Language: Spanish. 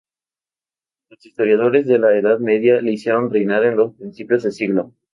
Los historiadores de la Edad Media le hicieron reinar en los principios de siglo.